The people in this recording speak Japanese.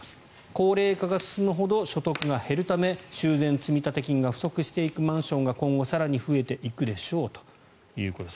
高齢化が進むほど所得が減るため修繕積立金が不足していくマンションが今後更に増えていくでしょうということです。